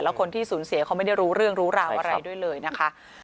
แล้วคนที่สูญเสียเขาไม่ได้รู้เรื่องรู้ราวอะไรด้วยเลยนะคะ